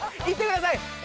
行ってください！